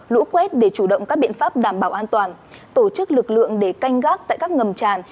lũ quét để chủ động các biện pháp đảm bảo an toàn tổ chức lực lượng để canh gác tại các ngầm tràn